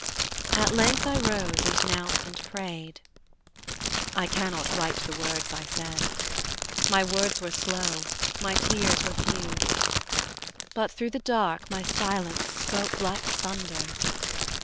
At length I rose and knelt and prayed: I cannot write the words I said, My words were slow, my tears were few; But through the dark my silence spoke Like thunder.